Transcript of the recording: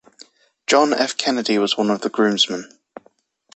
John F. Kennedy was one of the groomsmen.